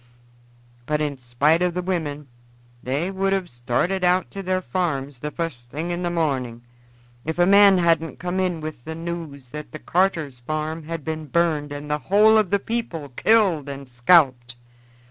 But in spite of the women they would have started out to their farms the fust thing in the morning, if a man hadn't come in with the news that Carter's farm had been burned and the whole of the people killed and scalped.